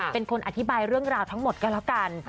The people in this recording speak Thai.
เป็นคนอธิบายเรื่องราวทั้งหมดก็แล้วกัน